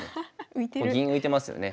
銀浮いてますよね。